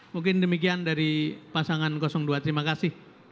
mungkin demikian dari pasangan dua terima kasih